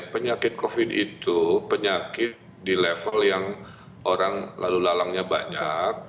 penyakit covid itu penyakit di level yang orang lalu lalangnya banyak